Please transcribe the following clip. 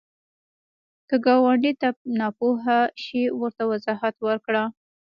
که ګاونډي ته ناپوهه شي، ورته وضاحت ورکړه